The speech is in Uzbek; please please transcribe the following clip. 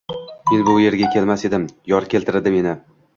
Men bu yerga kelmas edim, yor keltirdi meni